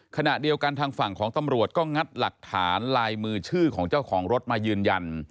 ขณะเดียวกันทางฝั่งของตำรวจก็งัดหลักฐานลายมือชื่อของเจ้าของรถมายืนยัน